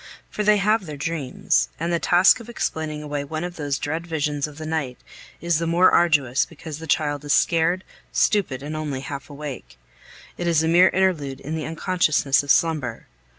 For they have their dreams, and the task of explaining away one of those dread visions of the night is the more arduous because the child is scared, stupid, and only half awake. It is a mere interlude in the unconsciousness of slumber.